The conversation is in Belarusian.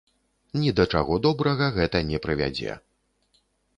Ні да чаго добрага гэта не прывядзе.